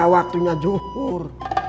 sudah waktunya zuhur